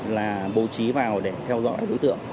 là bầu trí vào để theo dõi đối tượng